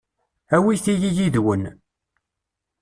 Awit-iyi yid-wen.